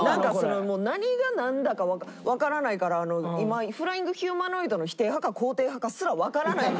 何がなんだかわからないから今フライングヒューマノイドの否定派か肯定派かすらわからないんですよ。